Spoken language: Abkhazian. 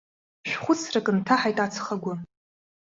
Шә-хәыцрак нҭаҳаит аҵх агәы.